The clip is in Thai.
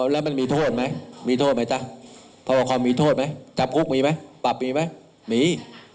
แล้วมันมีโทษไหมมีโทษไหมจ๊ะพรมีโทษไหมจำคุกมีไหมปรับมีไหมมี